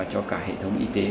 cho cả hệ thống y tế